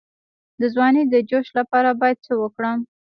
د ځوانۍ د جوش لپاره باید څه وکړم؟